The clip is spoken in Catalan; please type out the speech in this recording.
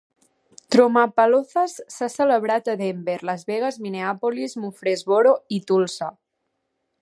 TromaPaloozas s'ha celebrat a Denver, Las Vegas, Minneapolis, Murfreesboro i Tulsa.